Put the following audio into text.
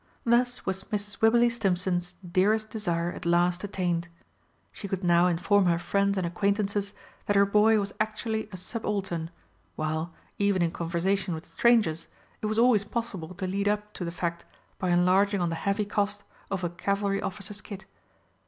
Thus was Mrs. Wibberley Stimpson's dearest desire at last attained; she could now inform her friends and acquaintances that her boy was actually a subaltern, while, even in conversation with strangers, it was always possible to lead up to the fact by enlarging on the heavy cost of a cavalry officer's kit.